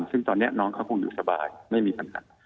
ซึ่งตอนนี้น้องเขาคงอยู่สบายไม่มีปัญหา